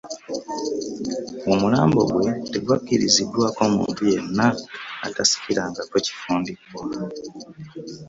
Omulambo gwe tegwakkiriziddwako muntu yenna atasikirangako kifundikwa